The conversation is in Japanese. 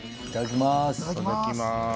いただきます。